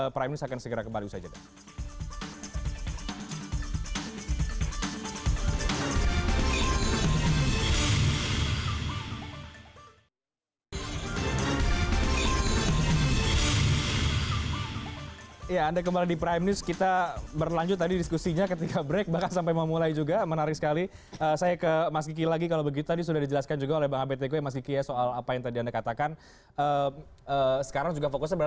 prime news akan segera kembali usaha jadwal